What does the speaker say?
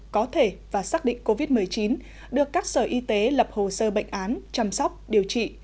có thể và xác định covid một mươi chín được các sở y tế lập hồ sơ bệnh án chăm sóc điều trị